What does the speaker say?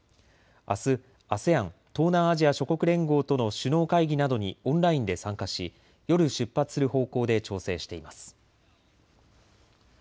あすＡＳＥＡＮ・東南アジア諸国連合との首脳会議などにオンラインで参加し夜、出発する方向で調整しています。